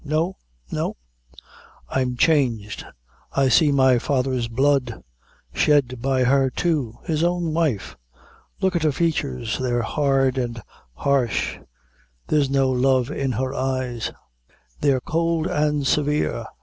No, no; I'm changed I see my father's blood, shed by her, too, his own wife! Look at her features, they're hard and harsh there's no love in her eyes they're cowld and sevare.